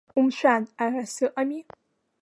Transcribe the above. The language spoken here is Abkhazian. Умшәан, ара сыҟами!